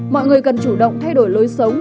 mọi người cần chủ động thay đổi lối sống